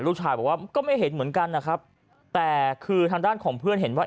ลูกชายบอกว่าก็ไม่เห็นเหมือนกันนะครับแต่คือทางด้านของเพื่อนเห็นว่า